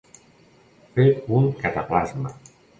Fet un cataplasma.